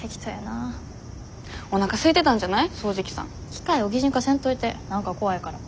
機械を擬人化せんといて何か怖いから。